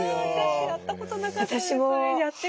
私やったことなかったです。